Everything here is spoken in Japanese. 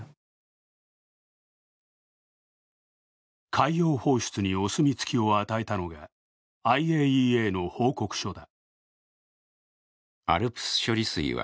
海洋放出にお墨付きを与えたのがＩＡＥＡの報告書だ。